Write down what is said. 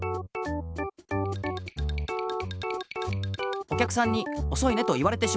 おきゃくさんにおそいねと言われてしまいました。